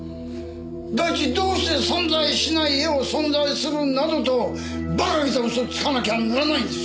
第一どうして存在しない絵を存在するなどと馬鹿げた嘘をつかなきゃならないんです！